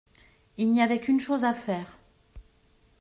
Il n'y avait qu'une chose à faire.